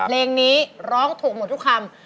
เพลงนี้ร้องถูกหมดทุกคำ